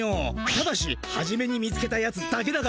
ただしはじめに見つけたやつだけだからな。